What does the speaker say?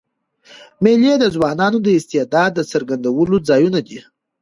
مېلې د ځوانانو د استعدادو د څرګندولو ځایونه دي.